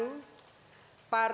para keluarga pahlawan nasional